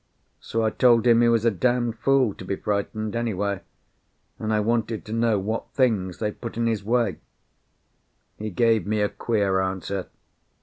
So I told him he was a d d fool to be frightened, anyway, and I wanted to know what things they put in his way. He gave me a queer answer.